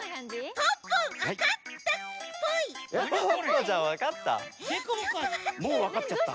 ポッポちゃんわかった？